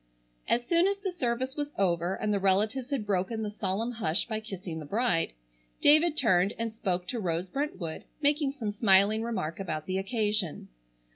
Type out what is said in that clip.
As soon as the service was over and the relatives had broken the solemn hush by kissing the bride, David turned and spoke to Rose Brentwood, making some smiling remark about the occasion.